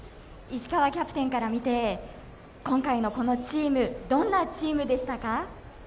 石川キャプテンから見て今回の、このチームどんなチームでしたか？